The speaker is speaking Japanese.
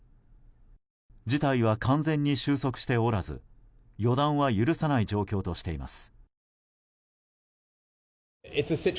事態は完全に収束しておらず予断は許さない状況としています。